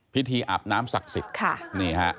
พิธีอาบน้ำศักดิ์สิทธิ์